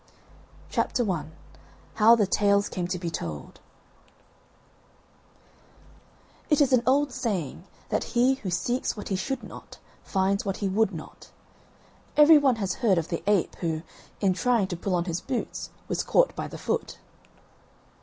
Conclusion I HOW THE TALES CAME TO BE TOLD It is an old saying, that he who seeks what he should not, finds what he would not. Every one has heard of the ape who, in trying to pull on his boots, was caught by the foot.